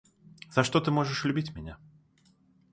За что ты можешь любить меня?